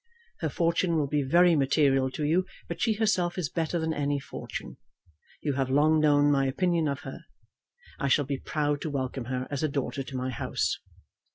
Her fortune will be very material to you, but she herself is better than any fortune. You have long known my opinion of her. I shall be proud to welcome her as a daughter to my house.